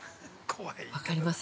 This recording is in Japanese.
◆分かります。